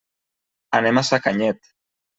Anem a Sacanyet.